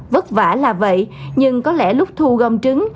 vất vả là vậy nhưng có lẽ lúc thu gom trứng